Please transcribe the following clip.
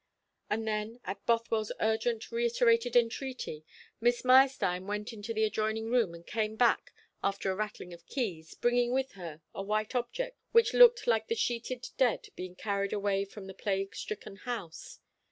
And then, at Bothwell's urgent, reiterated entreaty, Miss Meyerstein went into the adjoining room, and came back, after a rattling of keys, bringing with her a white object which looked like the sheeted dead being carried away from a plague stricken house.